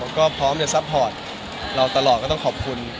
ก็พร้อมจะซัพพอร์ตเราตลอดก็ต้องขอบคุณ